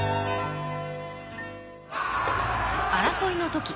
争いの時